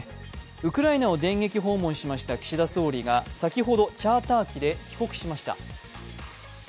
ウクライナを電撃訪問しました岸田総理が先ほどチャーター機で帰国しました。